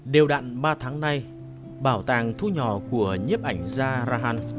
điều đạn ba tháng nay bảo tàng thu nhỏ của nhiếp ảnh gia ra han